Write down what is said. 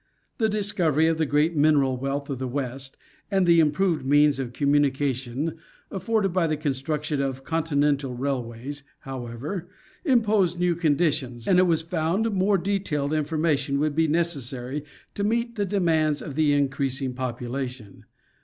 The discovery of the great mineral wealth of the west, and the improved means of communication afforded by the construction of continental railways, however, imposed new conditions and it was found more detailed information would be necessary to meet the demands of the increasing population.